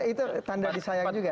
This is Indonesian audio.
itu tanda disayang juga